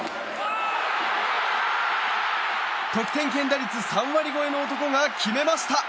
得点圏打率３割超えの男が決めました。